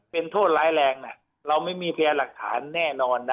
เป็นโทษร้ายแรงนะเราไม่มีพยานหลักฐานแน่นอนนะ